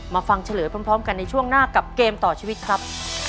ฟังเฉลยพร้อมกันในช่วงหน้ากับเกมต่อชีวิตครับ